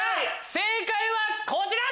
⁉正解はこちら！